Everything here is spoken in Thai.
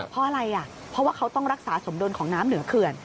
เพราะอะไรอ่ะเพราะว่าเขาต้องรักษาสมดุลของน้ำเหนือเขื่อน